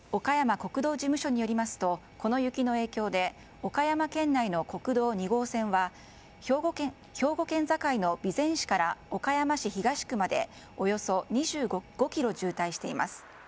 国道事務所によりますとこの雪の影響で岡山県内の国道２号線は兵庫県境の備前市から岡山市東区までおよそ２５ｋｍ渋滞しています。